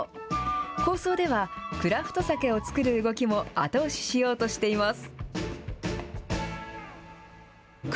構想ではクラフトサケを造る動きも後押ししようとしています。